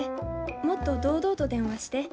もっと堂々と電話して。